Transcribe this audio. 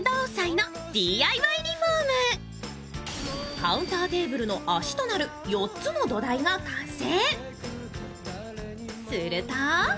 カウンターテーブルの足となる４つの土台が完成。